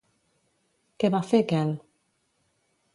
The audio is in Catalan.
Què va fer Quel?